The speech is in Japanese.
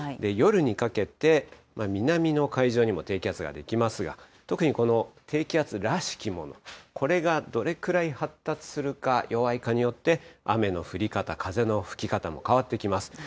夜にかけて、南の海上にも低気圧が出来ますが、特にこの低気圧らしきもの、これがどれくらい発達するか、弱いかによって、雨の降り方、風の吹き方も変わってきます。